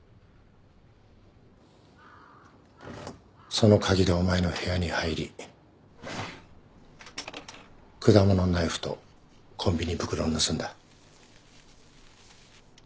その鍵でお前の部屋に入り果物ナイフとコンビニ袋を盗んだ。